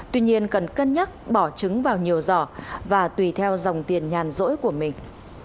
tuy nhiên cần cân nhắc bỏ chứng vào nhiều dò và tùy theo dòng tiền nhàn dỗi của mình